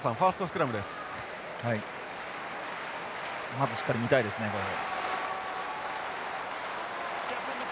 まずしっかり見たいですねこれ。